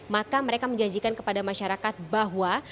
maka mereka menjanjikan kepada masyarakat bahwa